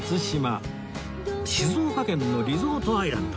静岡県のリゾートアイランド